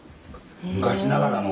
昔ながらの。